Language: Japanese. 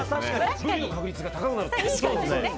ブリの確率が高くなるってこと？